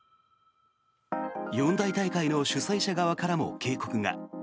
四大大会の主催者側からも警告が。